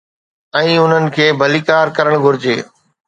۽ انهن کي ڀليڪار ڪرڻ گهرجي.